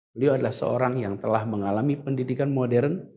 beliau adalah seorang yang telah mengalami pendidikan modern